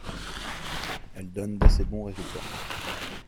Elle donne d'assez bons résultats.